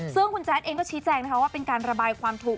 ซึ่งคุณแจ๊ดเองก็ชี้แจงนะคะว่าเป็นการระบายความถูก